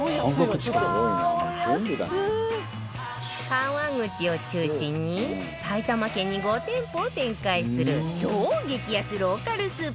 川口を中心に埼玉県に５店舗を展開する超激安ローカルスーパー